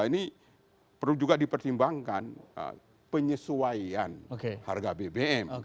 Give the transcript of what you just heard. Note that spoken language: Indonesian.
sembilan puluh seratus ini perlu juga dipertimbangkan penyesuaian harga bbm